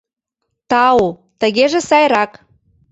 — Тау, тыгеже сайрак.